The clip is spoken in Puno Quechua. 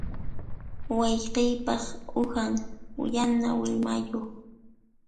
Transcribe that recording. Wayqiypaq uhan yana willmayuq.